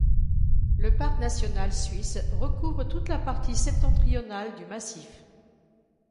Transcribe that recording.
Le Parc national suisse recouvre toute la partie septentrionale du massif.